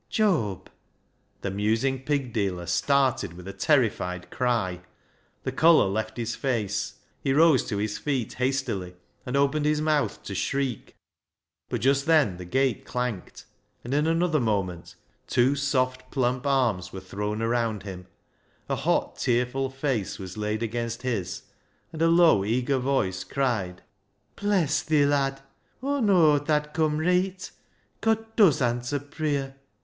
"Job!" The musing pig dealer started with a terrified cry. The colour left his face. He rose to his feet hastily, and opened his mouth to shriek, but just then the gate clanked, and in another moment two soft plump arms were thrown around him, a hot tearful face was laid against his, and a low eager voice cried —" Bless thi, lad 1 Aw knowed tha'd cum reet ! God does answer pruyer